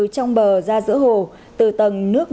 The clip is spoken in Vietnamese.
trong bờ ra giữa hồ từ tầng nước